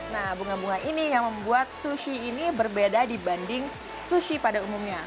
nah bunga bunga ini yang membuat sushi ini berbeda dibanding sushi pada umumnya